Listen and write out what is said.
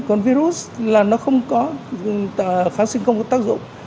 còn virus là nó không có kháng sinh không có tác dụng